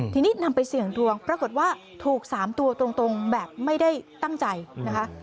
ทีนี้นำไปเสี่ยงดวงปรากฏว่าถูก๓ตัวตรงแบบไม่ได้ตั้งใจนะคะ